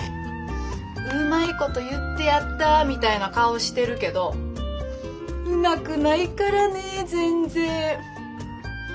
うまいこと言ってやったみたいな顔してるけどうまくないからね全然！